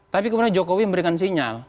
tapi kemudian jokowi memberikan sinyal